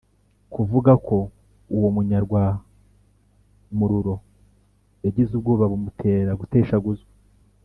kuvuga ko uwo munyarwamururo yagize ubwoba bumutera guteshaguzwa